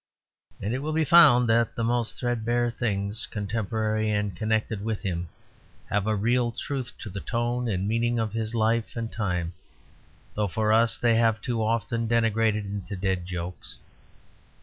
And it will be found that the most threadbare things contemporary and connected with him have a real truth to the tone and meaning of his life and time, though for us they have too often degenerated into dead jokes.